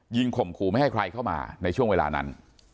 ข่มขู่ไม่ให้ใครเข้ามาในช่วงเวลานั้น